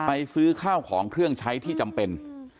ซื้อข้าวของเครื่องใช้ที่จำเป็น